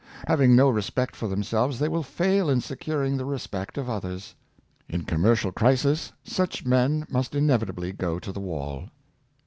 Having no re spect for themselves, they will fail in securing the re spect of others. In commercial crisis, such men must inevitably go to the wall.